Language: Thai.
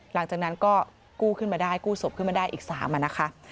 หลังจากนั้นก็กู้ขึ้นมาได้กู้ศพขึ้นมาได้อีก๓อะนะคะ